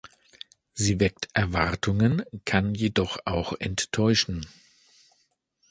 Sie weckt Erwartungen, kann jedoch auch enttäuschen.